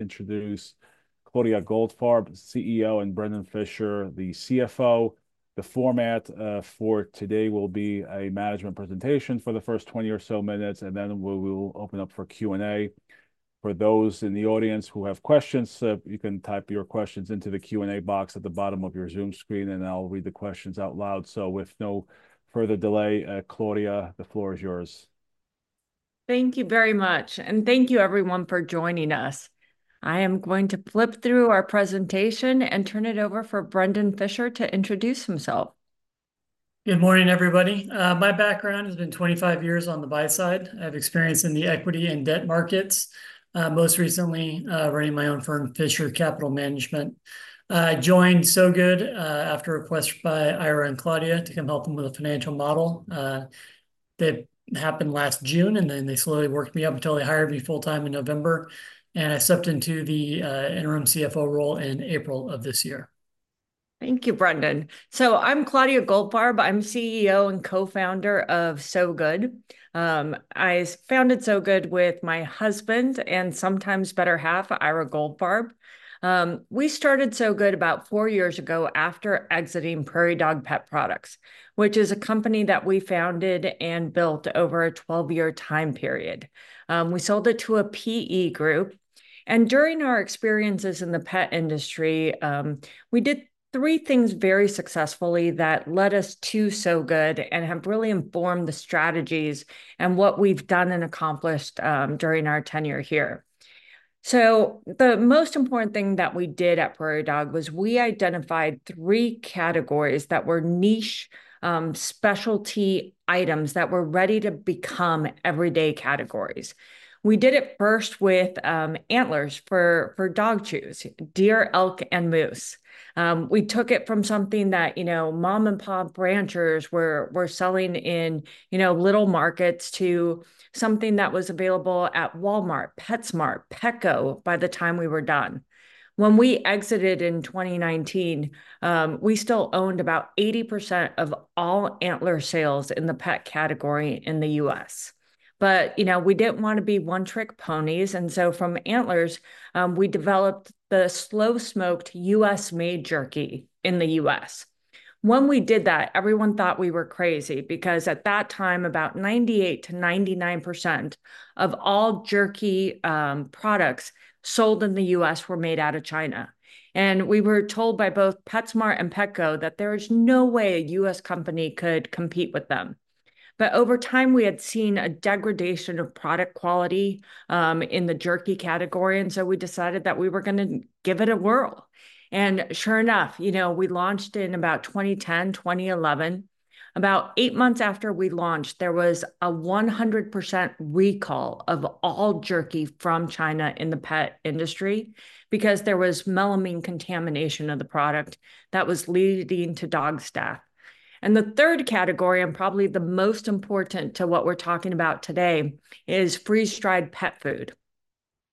Introduce Claudia Goldfarb, CEO, and Brendon Fischer, the CFO. The format for today will be a management presentation for the first twenty or so minutes, and then we will open up for Q&A. For those in the audience who have questions, you can type your questions into the Q&A box at the bottom of your Zoom screen, and I'll read the questions out loud. So with no further delay, Claudia, the floor is yours. Thank you very much, and thank you everyone for joining us. I am going to flip through our presentation and turn it over for Brendon Fischer to introduce himself. Good morning, everybody. My background has been 25 years on the buy side. I have experience in the equity and debt markets, most recently, running my own firm, Fischer Capital Management. I joined Sow Good after a request by Ira and Claudia to come help them with a financial model. That happened last June, and then they slowly worked me up until they hired me full-time in November, and I stepped into the interim CFO role in April of this year. Thank you, Brendon. So I'm Claudia Goldfarb. I'm CEO and co-founder of Sow Good. I founded Sow Good with my husband and sometimes better half, Ira Goldfarb. We started Sow Good about four years ago after exiting Prairie Dog Pet Products, which is a company that we founded and built over a 12-year time period. We sold it to a PE group, and during our experiences in the pet industry, we did three things very successfully that led us to Sow Good and have really informed the strategies and what we've done and accomplished during our tenure here. So the most important thing that we did at Prairie Dog was we identified three categories that were niche, specialty items that were ready to become everyday categories. We did it first with antlers for dog chews, deer, elk, and moose. We took it from something that, you know, mom-and-pop ranchers were selling in, you know, little markets, to something that was available at Walmart, PetSmart, Petco, by the time we were done. When we exited in 2019, we still owned about 80% of all antler sales in the pet category in the U.S. But, you know, we didn't want to be one-trick ponies, and so from antlers, we developed the slow-smoked U.S.-made jerky in the U.S. When we did that, everyone thought we were crazy because at that time, about 98%-99% of all jerky products sold in the U.S. were made out of China. And we were told by both PetSmart and Petco that there is no way a U.S. company could compete with them. But over time, we had seen a degradation of product quality in the jerky category, and so we decided that we were gonna give it a whirl, and sure enough, you know, we launched in about 2010, 2011. About eight months after we launched, there was a 100% recall of all jerky from China in the pet industry because there was melamine contamination of the product that was leading to dog's death, and the third category, and probably the most important to what we're talking about today, is freeze-dried pet food,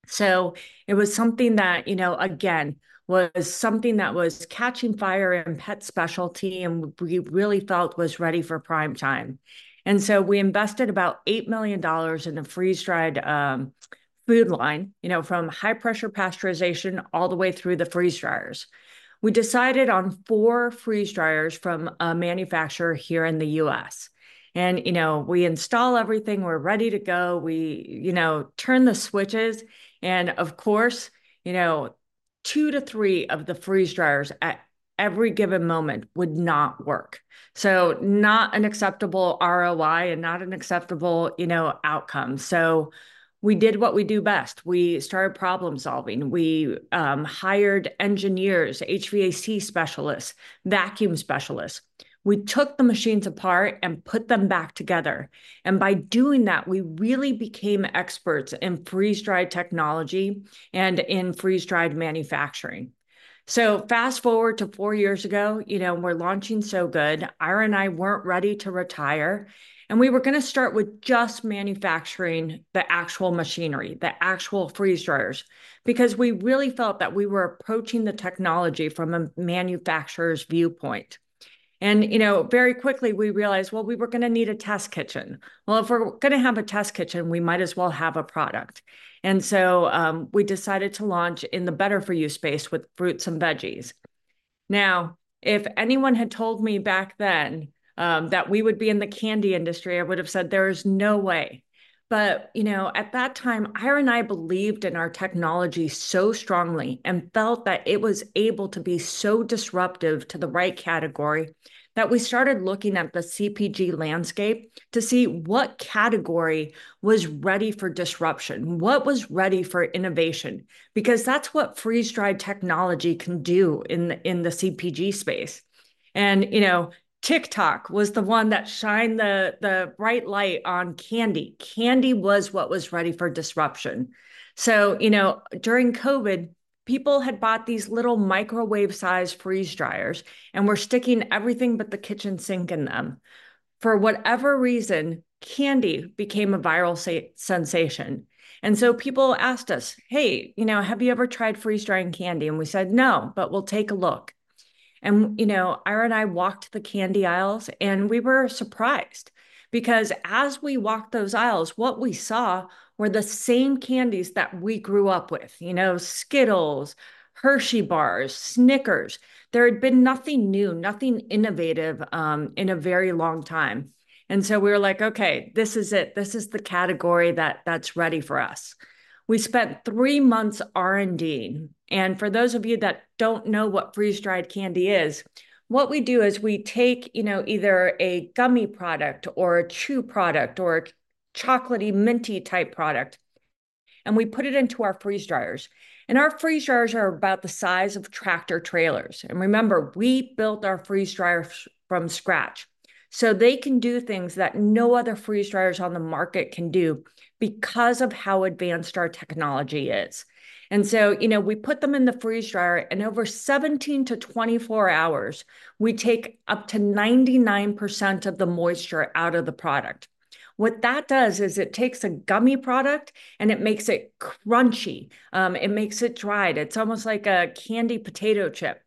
so it was something that, you know, again, was something that was catching fire in pet specialty, and we really felt was ready for prime time, and so we invested about $8 million in the freeze-dried food line, you know, from high-pressure pasteurization all the way through the freeze dryers. We decided on four freeze dryers from a manufacturer here in the U.S. And, you know, we install everything. We're ready to go. We, you know, turn the switches, and of course, you know, two to three of the freeze dryers at every given moment would not work. So not an acceptable ROI and not an acceptable, you know, outcome. So we did what we do best. We started problem-solving. We hired engineers, HVAC specialists, vacuum specialists. We took the machines apart and put them back together, and by doing that, we really became experts in freeze-dried technology and in freeze-dried manufacturing. So fast-forward to four years ago, you know, we're launching Sow Good. Ira and I weren't ready to retire, and we were gonna start with just manufacturing the actual machinery, the actual freeze dryers, because we really felt that we were approaching the technology from a manufacturer's viewpoint. You know, very quickly, we realized we were gonna need a test kitchen. If we're gonna have a test kitchen, we might as well have a product, so we decided to launch in the better for you space with fruits and veggies. Now, if anyone had told me back then, that we would be in the candy industry, I would have said, "There is no way." But, you know, at that time, Ira and I believed in our technology so strongly and felt that it was able to be so disruptive to the right category, that we started looking at the CPG landscape to see what category was ready for disruption, what was ready for innovation, because that's what freeze-dried technology can do in the CPG space. And, you know, TikTok was the one that shined the bright light on candy. Candy was what was ready for disruption. So, you know, during COVID, people had bought these little microwave-sized freeze dryers and were sticking everything but the kitchen sink in them. For whatever reason, candy became a viral sensation, and so people asked us, "Hey, you know, have you ever tried freeze-drying candy?" and we said, "No, but we'll take a look," ... and, you know, Ira and I walked the candy aisles, and we were surprised, because as we walked those aisles, what we saw were the same candies that we grew up with, you know, Skittles, Hershey bars, Snickers. There had been nothing new, nothing innovative, in a very long time, and so we were like: "Okay, this is it. This is the category that, that's ready for us." We spent three months R&D-ing, and for those of you that don't know what freeze-dried candy is, what we do is we take, you know, either a gummy product or a chew product or a chocolatey, minty-type product, and we put it into our freeze dryers. Our freeze dryers are about the size of tractor-trailers. Remember, we built our freeze dryers from scratch, so they can do things that no other freeze dryers on the market can do because of how advanced our technology is. You know, we put them in the freeze dryer, and over 17-24 hours, we take up to 99% of the moisture out of the product. What that does is it takes a gummy product, and it makes it crunchy. It makes it dried. It's almost like a candy potato chip.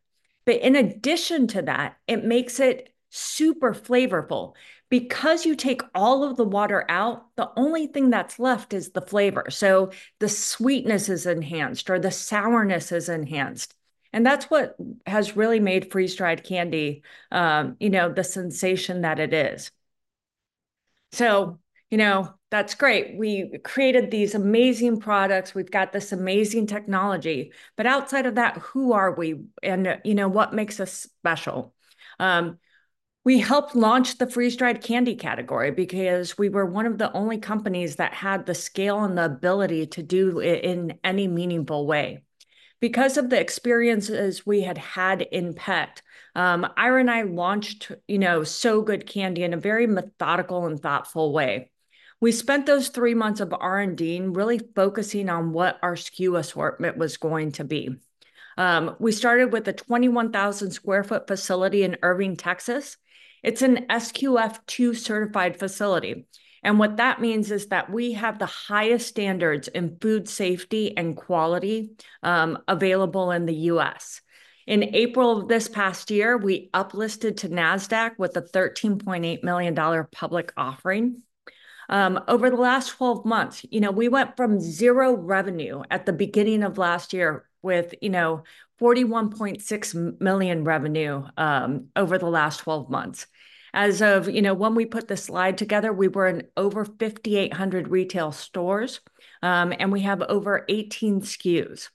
In addition to that, it makes it super flavorful. Because you take all of the water out, the only thing that's left is the flavor, so the sweetness is enhanced, or the sourness is enhanced, and that's what has really made freeze-dried candy, you know, the sensation that it is. So, you know, that's great. We created these amazing products. We've got this amazing technology. But outside of that, who are we? And, you know, what makes us special? We helped launch the freeze-dried candy category because we were one of the only companies that had the scale and the ability to do it in any meaningful way. Because of the experiences we had had in pets, Ira and I launched, you know, Sow Good Candy in a very methodical and thoughtful way. We spent those three months of R&D really focusing on what our SKU assortment was going to be. We started with a 21,000 sq ft facility in Irving, Texas. It's an SQF 2-certified facility, and what that means is that we have the highest standards in food safety and quality, available in the U.S. In April of this past year, we uplisted to Nasdaq with a $13.8 million public offering. Over the last twelve months, you know, we went from zero revenue at the beginning of last year with, you know, $41.6 million revenue over the last twelve months. You know, when we put this slide together, we were in over 5,800 retail stores, and we have over 18 SKUs.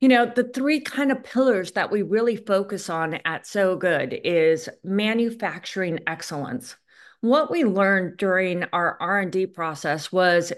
You know, the three kind of pillars that we really focus on at Sow Good is manufacturing excellence. What we learned during our R&D process was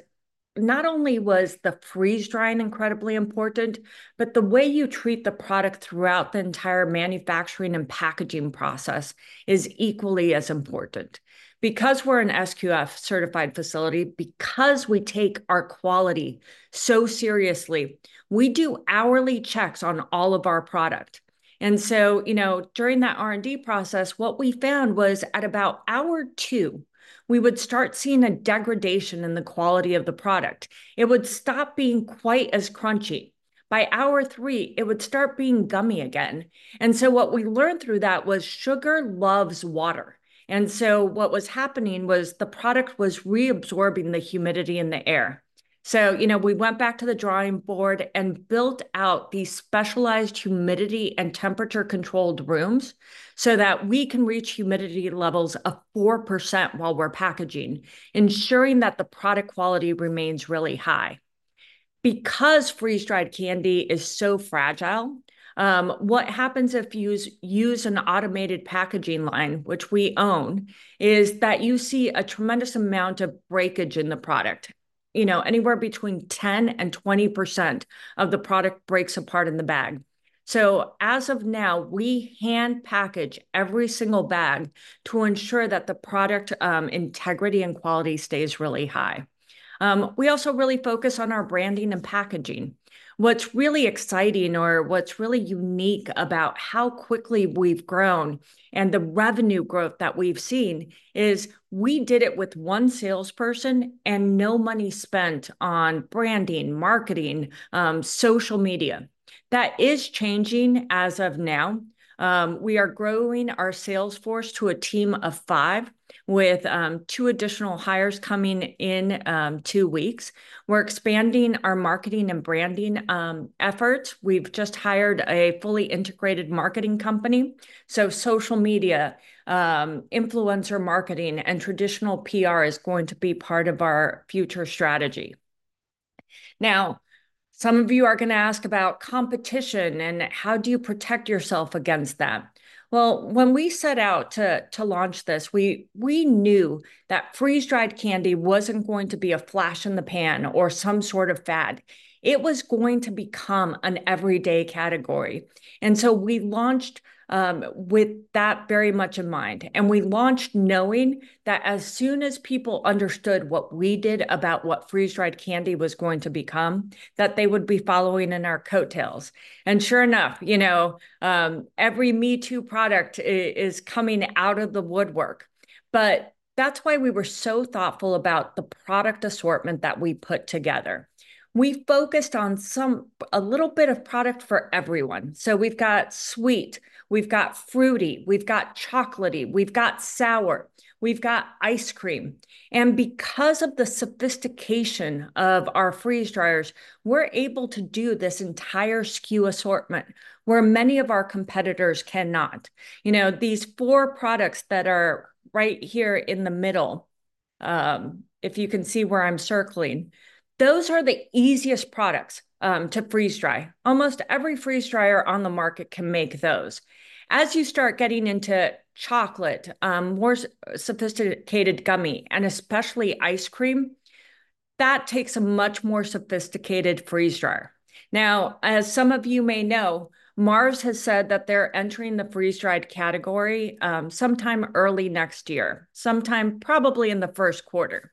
not only was the freeze-drying incredibly important, but the way you treat the product throughout the entire manufacturing and packaging process is equally as important. Because we're an SQF-certified facility, because we take our quality so seriously, we do hourly checks on all of our product. And so, you know, during that R&D process, what we found was, at about hour two, we would start seeing a degradation in the quality of the product. It would stop being quite as crunchy. By hour three, it would start being gummy again. And so what we learned through that was sugar loves water, and so what was happening was the product was reabsorbing the humidity in the air. So, you know, we went back to the drawing board and built out these specialized humidity and temperature-controlled rooms so that we can reach humidity levels of 4% while we're packaging, ensuring that the product quality remains really high. Because freeze-dried candy is so fragile, what happens if you use an automated packaging line, which we own, is that you see a tremendous amount of breakage in the product. You know, anywhere between 10% and 20% of the product breaks apart in the bag. So as of now, we hand-package every single bag to ensure that the product, integrity and quality stays really high. We also really focus on our branding and packaging. What's really exciting, or what's really unique about how quickly we've grown and the revenue growth that we've seen, is we did it with one salesperson and no money spent on branding, marketing, social media. That is changing as of now. We are growing our sales force to a team of five, with two additional hires coming in two weeks. We're expanding our marketing and branding efforts. We've just hired a fully integrated marketing company, so social media, influencer marketing, and traditional PR is going to be part of our future strategy. Now, some of you are gonna ask about competition and how do you protect yourself against that? Well, when we set out to launch this, we knew that freeze-dried candy wasn't going to be a flash in the pan or some sort of fad. It was going to become an everyday category. And so we launched with that very much in mind, and we launched knowing that as soon as people understood what we did about what freeze-dried candy was going to become, that they would be following in our coattails. And sure enough, you know, every me-too product is coming out of the woodwork. But that's why we were so thoughtful about the product assortment that we put together. We focused on some... a little bit of product for everyone. So we've got sweet, we've got fruity, we've got chocolatey, we've got sour, we've got ice cream, and because of the sophistication of our freeze dryers, we're able to do this entire SKU assortment, where many of our competitors cannot. You know, these four products that are right here in the middle, if you can see where I'm circling, those are the easiest products to freeze-dry. Almost every freeze-dryer on the market can make those. As you start getting into chocolate, more sophisticated gummy, and especially ice cream, that takes a much more sophisticated freeze-dryer. Now, as some of you may know, Mars has said that they're entering the freeze-dried category, sometime early next year, sometime probably in the first quarter.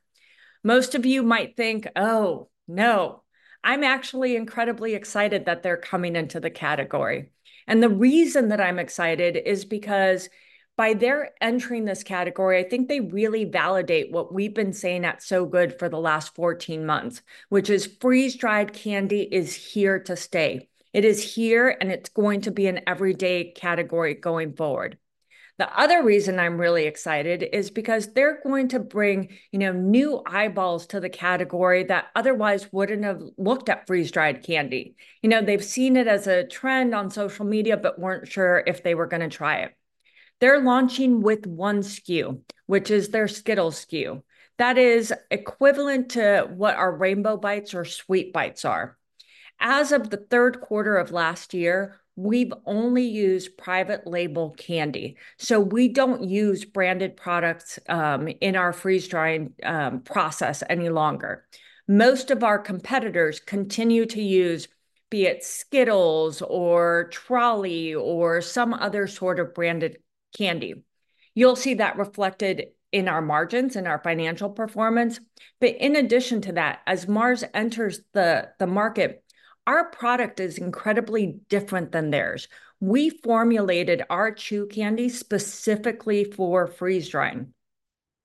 Most of you might think, "Oh, no." I'm actually incredibly excited that they're coming into the category, and the reason that I'm excited is because by their entering this category, I think they really validate what we've been saying at Sow Good for the last 14 months, which is freeze-dried candy is here to stay. It is here, and it's going to be an everyday category going forward. The other reason I'm really excited is because they're going to bring, you know, new eyeballs to the category that otherwise wouldn't have looked at freeze-dried candy. You know, they've seen it as a trend on social media but weren't sure if they were gonna try it. They're launching with one SKU, which is their Skittles SKU. That is equivalent to what our Rainbow Bites or Sweet Bites are. As of the third quarter of last year, we've only used private label candy, so we don't use branded products in our freeze-drying process any longer. Most of our competitors continue to use, be it Skittles or Trolli or some other sort of branded candy. You'll see that reflected in our margins and our financial performance. But in addition to that, as Mars enters the market, our product is incredibly different than theirs. We formulated our chew candy specifically for freeze-drying.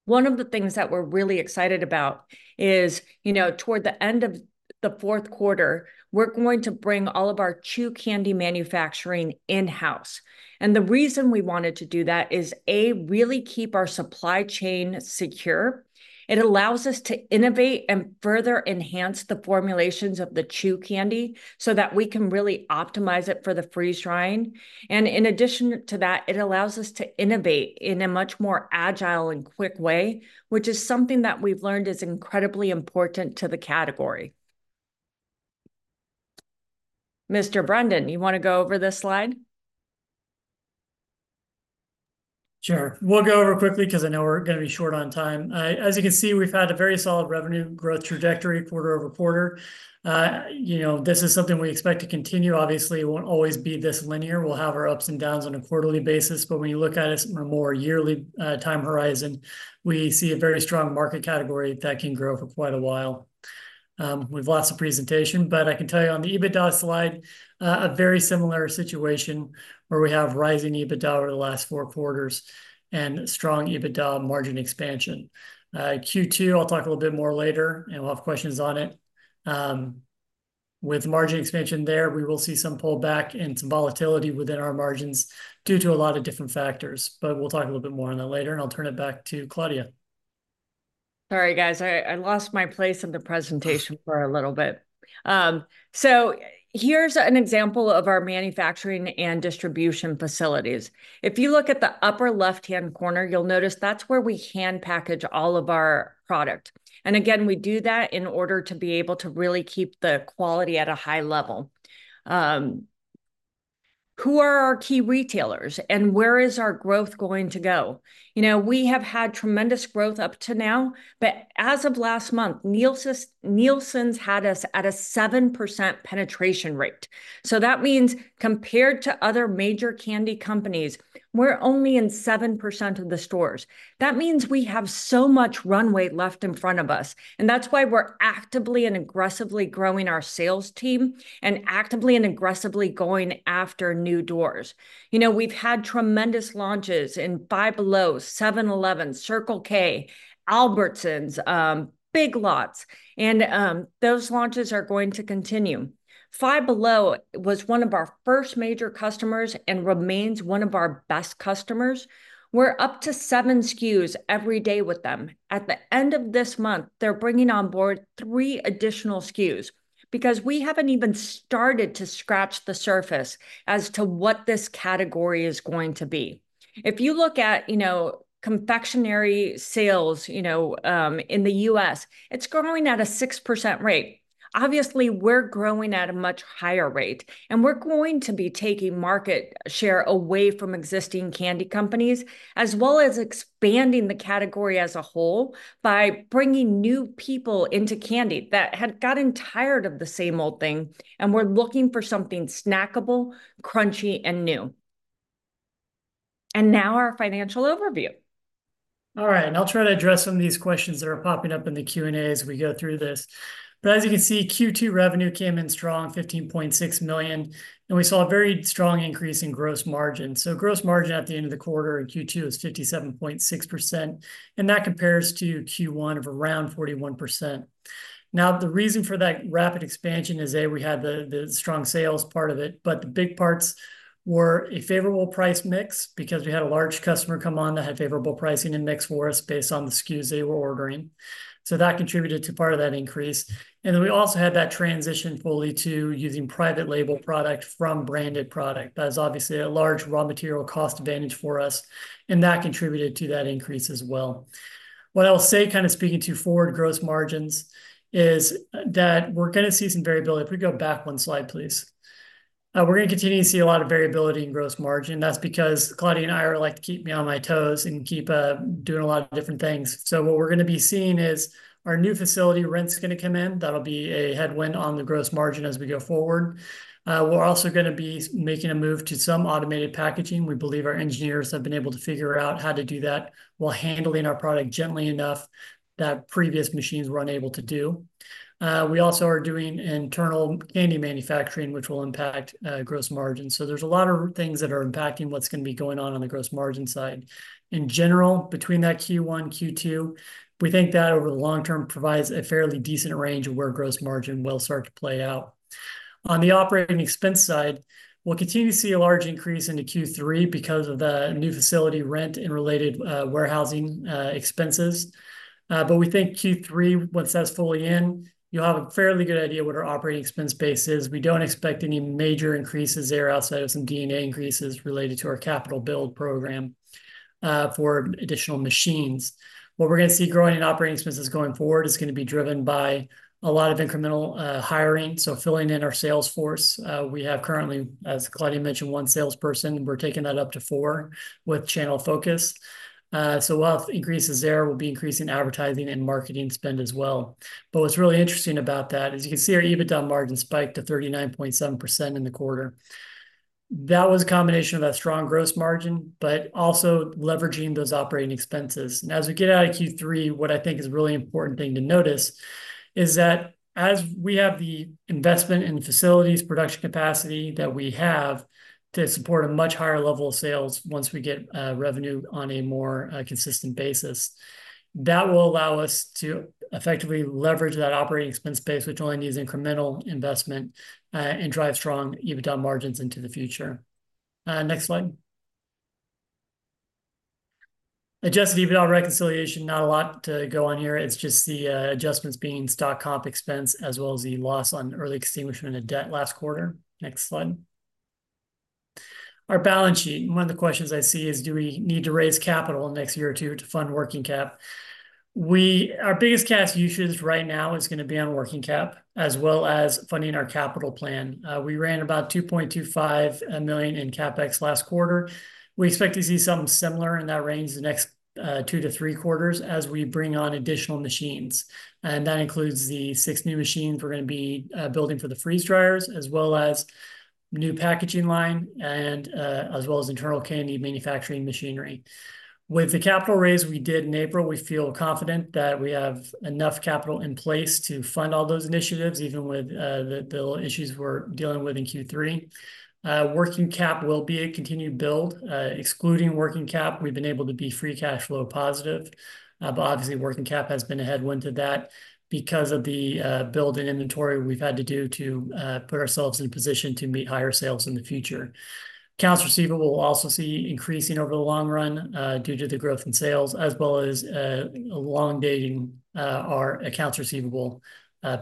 One of the things that we're really excited about is, you know, toward the end of the fourth quarter, we're going to bring all of our chew candy manufacturing in-house, and the reason we wanted to do that is, A, really keep our supply chain secure. It allows us to innovate and further enhance the formulations of the chew candy so that we can really optimize it for the freeze-drying, and in addition to that, it allows us to innovate in a much more agile and quick way, which is something that we've learned is incredibly important to the category. Mr. Brendon, you wanna go over this slide? Sure. We'll go over it quickly 'cause I know we're gonna be short on time. As you can see, we've had a very solid revenue growth trajectory quarter over quarter. You know, this is something we expect to continue. Obviously, it won't always be this linear. We'll have our ups and downs on a quarterly basis, but when you look at us on a more yearly time horizon, we see a very strong market category that can grow for quite a while. We've lost the presentation, but I can tell you on the EBITDA slide, a very similar situation, where we have rising EBITDA over the last four quarters and strong EBITDA margin expansion. Q2, I'll talk a little bit more later, and we'll have questions on it. With margin expansion there, we will see some pullback and some volatility within our margins due to a lot of different factors, but we'll talk a little bit more on that later, and I'll turn it back to Claudia. Sorry, guys, I lost my place in the presentation for a little bit. So here's an example of our manufacturing and distribution facilities. If you look at the upper left-hand corner, you'll notice that's where we hand-package all of our product, and again, we do that in order to be able to really keep the quality at a high level. Who are our key retailers, and where is our growth going to go? You know, we have had tremendous growth up to now, but as of last month, Nielsen had us at a 7% penetration rate. So that means compared to other major candy companies, we're only in 7% of the stores. That means we have so much runway left in front of us, and that's why we're actively and aggressively growing our sales team and actively and aggressively going after new doors. You know, we've had tremendous launches in Five Below, 7-Eleven, Circle K, Albertsons, Big Lots, and those launches are going to continue. Five Below was one of our first major customers and remains one of our best customers. We're up to seven SKUs every day with them. At the end of this month, they're bringing on board three additional SKUs because we haven't even started to scratch the surface as to what this category is going to be. If you look at, you know, confectionery sales, you know, in the U.S., it's growing at a 6% rate. Obviously, we're growing at a much higher rate, and we're going to be taking market share away from existing candy companies, as well as expanding the category as a whole by bringing new people into candy that had gotten tired of the same old thing and were looking for something snackable, crunchy, and new, and now our financial overview. All right, and I'll try to address some of these questions that are popping up in the Q&A as we go through this, but as you can see, Q2 revenue came in strong, $15.6 million, and we saw a very strong increase in gross margin, so gross margin at the end of the quarter in Q2 was 57.6%, and that compares to Q1 of around 41%. Now, the reason for that rapid expansion is, A, we had the strong sales part of it, but the big parts were a favorable price mix because we had a large customer come on that had favorable pricing and mix for us based on the SKUs they were ordering, so that contributed to part of that increase, and then we also had that transition fully to using private label product from branded product. That is obviously a large raw material cost advantage for us, and that contributed to that increase as well. What I'll say, kind of speaking to forward gross margins, is that we're gonna see some variability. If we go back one slide, please. We're gonna continue to see a lot of variability in gross margin, and that's because Claudia and Ira like to keep me on my toes and keep doing a lot of different things. So what we're gonna be seeing is our new facility rent's gonna come in. That'll be a headwind on the gross margin as we go forward. We're also gonna be making a move to some automated packaging. We believe our engineers have been able to figure out how to do that while handling our product gently enough that previous machines were unable to do. We also are doing internal candy manufacturing, which will impact gross margin. So there's a lot of things that are impacting what's gonna be going on on the gross margin side. In general, between that Q1, Q2, we think that over the long term provides a fairly decent range of where gross margin will start to play out. On the operating expense side, we'll continue to see a large increase into Q3 because of the new facility rent and related warehousing expenses. But we think Q3, once that's fully in, you'll have a fairly good idea what our operating expense base is. We don't expect any major increases there outside of some CapEx increases related to our capital build program for additional machines. What we're gonna see growing in operating expenses going forward is gonna be driven by a lot of incremental hiring, so filling in our sales force. We have currently, as Claudia mentioned, one salesperson, we're taking that up to four with channel focus, so a lot of increases there. We'll be increasing advertising and marketing spend as well, but what's really interesting about that is you can see our EBITDA margin spiked to 39.7% in the quarter. That was a combination of that strong gross margin, but also leveraging those operating expenses. And as we get out of Q3, what I think is a really important thing to notice is that as we have the investment in facilities, production capacity that we have to support a much higher level of sales once we get revenue on a more consistent basis, that will allow us to effectively leverage that operating expense base, which only needs incremental investment and drive strong EBITDA margins into the future. Next slide. Adjusted EBITDA reconciliation, not a lot to go on here. It's just the adjustments being stock comp expense, as well as the loss on early extinguishment of debt last quarter. Next slide. Our balance sheet. One of the questions I see is, do we need to raise capital next year or two to fund working cap? Our biggest cash usage right now is gonna be on working cap, as well as funding our capital plan. We ran about $2.25 million in CapEx last quarter. We expect to see something similar in that range in the next two to three quarters as we bring on additional machines, and that includes the six new machines we're gonna be building for the freeze dryers, as well as new packaging line and as well as internal candy manufacturing machinery. With the capital raise we did in April, we feel confident that we have enough capital in place to fund all those initiatives, even with the issues we're dealing with in Q3. Working cap will be a continued build. Excluding working cap, we've been able to be free cash flow positive, but obviously, working cap has been a headwind to that because of the build in inventory we've had to do to put ourselves in a position to meet higher sales in the future. Accounts receivable, we'll also see increasing over the long run due to the growth in sales, as well as elongating our accounts receivable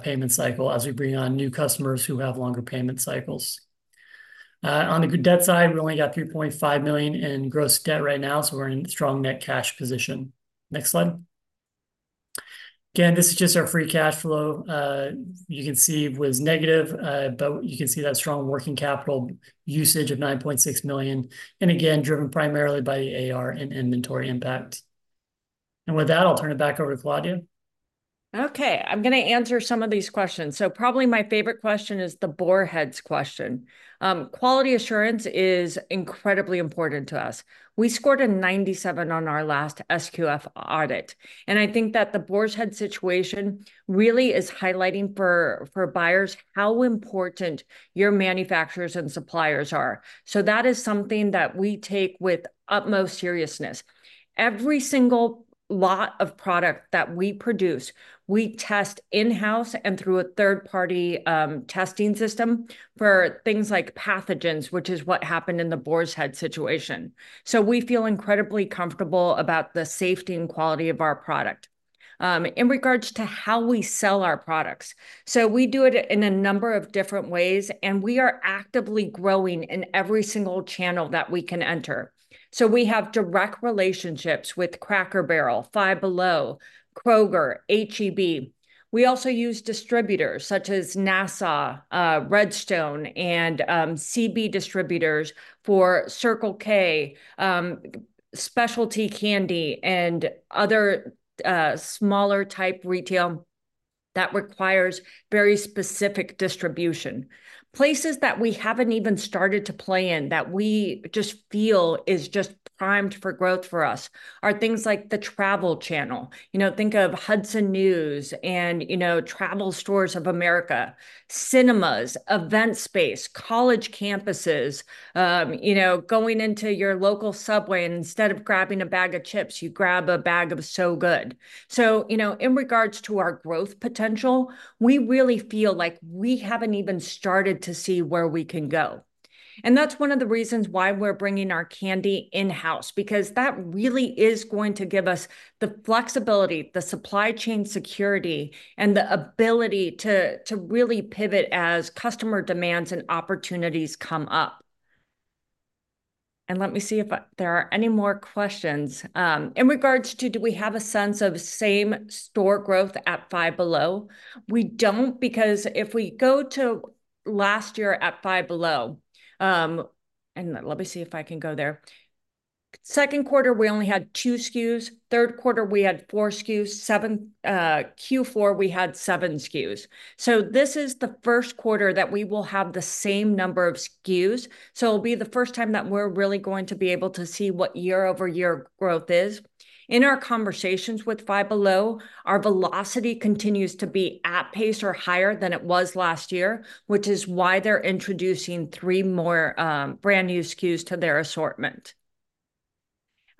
payment cycle as we bring on new customers who have longer payment cycles. On the debt side, we only got $3.5 million in gross debt right now, so we're in a strong net cash position. Next slide. Again, this is just our free cash flow. You can see it was negative, but you can see that strong working capital usage of $9.6 million, and again, driven primarily by the AR and inventory impact. And with that, I'll turn it back over to Claudia. Okay, I'm gonna answer some of these questions. So probably my favorite question is the Boar's Head question. Quality assurance is incredibly important to us. We scored a 97% on our last SQF audit, and I think that the Boar's Head situation really is highlighting for buyers how important your manufacturers and suppliers are. So that is something that we take with utmost seriousness. Every single lot of product that we produce, we test in-house and through a third-party testing system for things like pathogens, which is what happened in the Boar's Head situation. So we feel incredibly comfortable about the safety and quality of our product. In regards to how we sell our products, so we do it in a number of different ways, and we are actively growing in every single channel that we can enter. So we have direct relationships with Cracker Barrel, Five Below, Kroger, H-E-B. We also use distributors such as Nassau, Redstone, and CB Distributors for Circle K, specialty candy and other smaller type retail that requires very specific distribution. Places that we haven't even started to play in, that we just feel is just primed for growth for us, are things like the travel channel. You know, think of Hudson News and, you know, TravelCenters of America, cinemas, event space, college campuses. You know, going into your local Subway, and instead of grabbing a bag of chips, you grab a bag of Sow Good. So, you know, in regards to our growth potential, we really feel like we haven't even started to see where we can go. And that's one of the reasons why we're bringing our candy in-house, because that really is going to give us the flexibility, the supply chain security, and the ability to really pivot as customer demands and opportunities come up. And let me see if there are any more questions. In regards to do we have a sense of same-store growth at Five Below, we don't, because if we go to last year at Five Below, and let me see if I can go there. Second quarter, we only had two SKUs. Third quarter, we had four SKUs. Q4, we had seven SKUs. So this is the first quarter that we will have the same number of SKUs, so it'll be the first time that we're really going to be able to see what year-over-year growth is. In our conversations with Five Below, our velocity continues to be at pace or higher than it was last year, which is why they're introducing three more, brand-new SKUs to their assortment.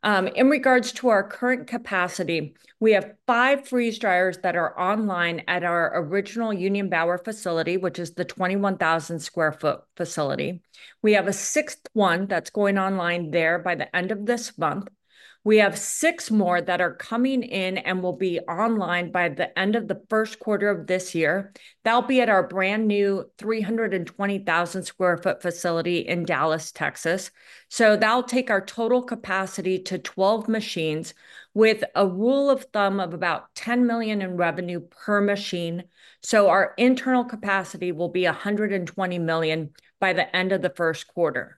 In regards to our current capacity, we have five freeze dryers that are online at our original Union Bower facility, which is the 21,000 sq ft facility. We have a sixth one that's going online there by the end of this month. We have six more that are coming in and will be online by the end of the first quarter of this year. That'll be at our brand-new 320,000 sq ft facility in Dallas, Texas. So that'll take our total capacity to 12 machines, with a rule of thumb of about $10 million in revenue per machine. So our internal capacity will be $120 million by the end of the first quarter.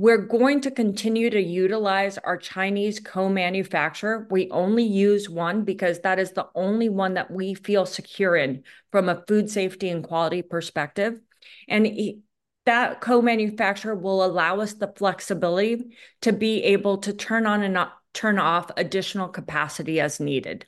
We're going to continue to utilize our Chinese co-manufacturer. We only use one, because that is the only one that we feel secure in from a food safety and quality perspective. That co-manufacturer will allow us the flexibility to be able to turn on and turn off additional capacity as needed.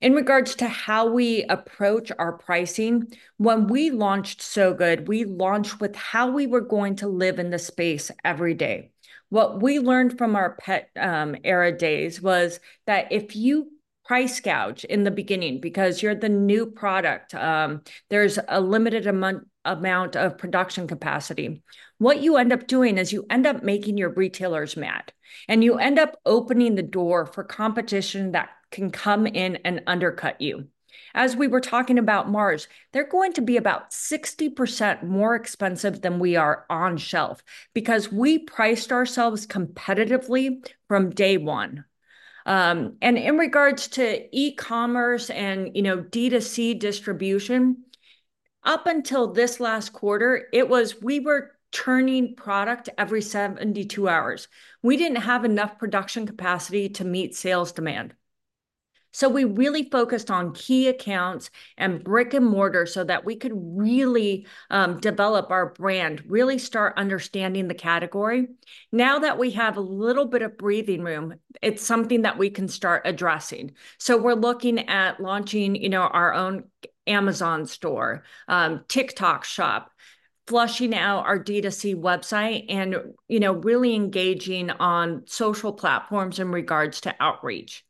In regards to how we approach our pricing, when we launched Sow Good, we launched with how we were going to live in the space every day. What we learned from our pet era days was that if you price gouge in the beginning, because you're the new product, there's a limited amount of production capacity, what you end up doing is you end up making your retailers mad, and you end up opening the door for competition that can come in and undercut you. As we were talking about Mars, they're going to be about 60% more expensive than we are on shelf, because we priced ourselves competitively from day one, and in regards to e-commerce and, you know, D2C distribution, up until this last quarter, it was. We were turning product every 72 hours. We didn't have enough production capacity to meet sales demand. So we really focused on key accounts and brick-and-mortar so that we could really, develop our brand, really start understanding the category. Now that we have a little bit of breathing room, it's something that we can start addressing. So we're looking at launching, you know, our own Amazon store, TikTok Shop, fleshing out our D2C website, and, you know, really engaging on social platforms in regards to outreach.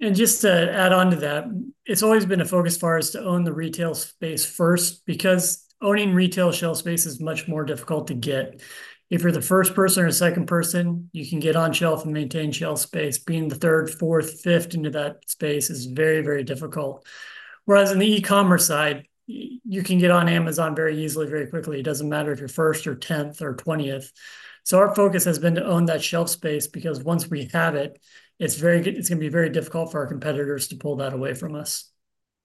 Just to add on to that, it's always been a focus for us to own the retail space first, because owning retail shelf space is much more difficult to get. If you're the first person or second person, you can get on shelf and maintain shelf space. Being the third, fourth, fifth into that space is very, very difficult. Whereas in the e-commerce side, you can get on Amazon very easily, very quickly. It doesn't matter if you're first or tenth or twentieth. Our focus has been to own that shelf space, because once we have it, it's gonna be very difficult for our competitors to pull that away from us.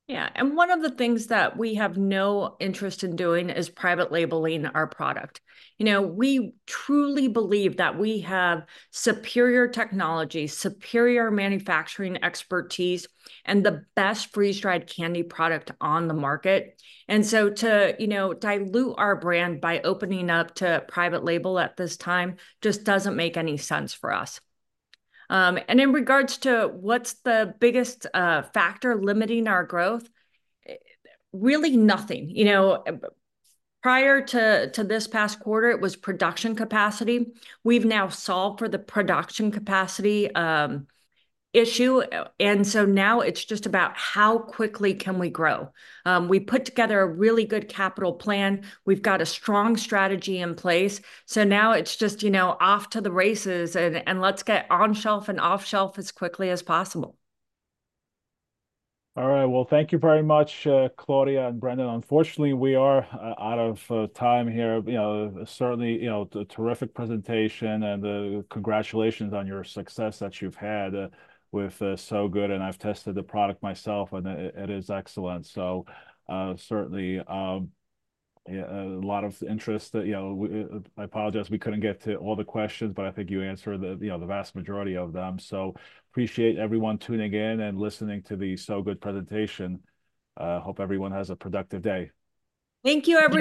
Yeah, and one of the things that we have no interest in doing is private labeling our product. You know, we truly believe that we have superior technology, superior manufacturing expertise, and the best freeze-dried candy product on the market. And so to, you know, dilute our brand by opening up to private label at this time just doesn't make any sense for us. And in regards to what's the biggest factor limiting our growth, really nothing. You know, prior to this past quarter, it was production capacity. We've now solved for the production capacity issue, and so now it's just about how quickly can we grow. We put together a really good capital plan. We've got a strong strategy in place. So now it's just, you know, off to the races, and let's get on shelf and off shelf as quickly as possible. All right. Well, thank you very much, Claudia and Brendon. Unfortunately, we are out of time here. You know, certainly, you know, a terrific presentation, and congratulations on your success that you've had with Sow Good, and I've tested the product myself, and it is excellent. So certainly yeah, a lot of interest. You know, I apologize we couldn't get to all the questions, but I think you answered the you know the vast majority of them. So appreciate everyone tuning in and listening to the Sow Good presentation. Hope everyone has a productive day. Thank you, everyone.